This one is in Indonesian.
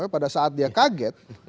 padahal saat dia kaget